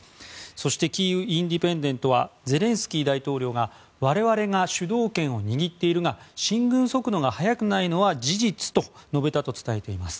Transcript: そしてキーウ・インディペンデントはゼレンスキー大統領が我々が主導権を握っているが進軍速度が速くないのは事実と述べたと伝えています。